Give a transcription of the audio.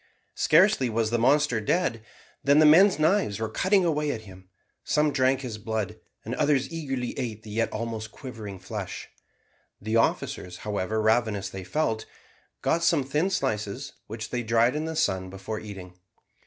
Scarcely was the monster dead than the men's knives were cutting away at him. Some drank his blood, and others eagerly ate the yet almost quivering flesh. The officers, however ravenous they felt, got some thin slices, which they dried in the sun before eating.